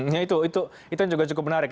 nah itu itu juga cukup menarik